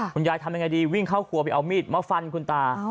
คุณยายทำยังไงดีวิ่งเข้าครัวไปเอามีดมาฟันคุณตา